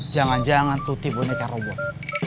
jangan jangan tuti boneka robot